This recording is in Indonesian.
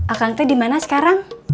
akan tuh dimana sekarang